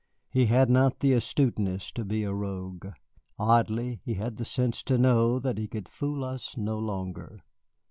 He had not the astuteness to be a rogue; oddly, he had the sense to know that he could fool us no longer.